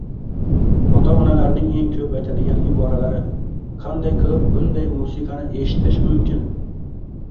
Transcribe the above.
Ota-onalarning eng ko‘p aytadigan iboralari: “Qanday qilib bunday musiqani eshitish mumkin?”